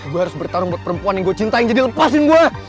gue harus bertarung buat perempuan yang gue cintain jadi lepasin gue